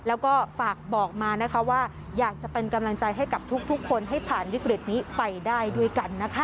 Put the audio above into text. แล้วก็ฝากบอกมานะคะว่าอยากจะเป็นกำลังใจให้กับทุกคนให้ผ่านวิกฤตนี้ไปได้ด้วยกันนะคะ